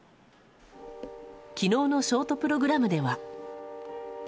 昨日のショートプログラムでは。